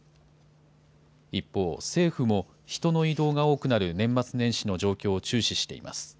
一方、政府も人の移動が多くなる年末年始の状況を注視しています。